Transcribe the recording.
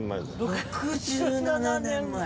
６７年前！